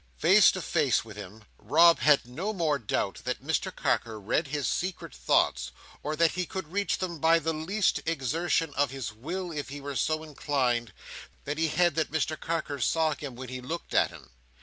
Face to face with him, Rob had no more doubt that Mr Carker read his secret thoughts, or that he could read them by the least exertion of his will if he were so inclined, than he had that Mr Carker saw him when he looked at him.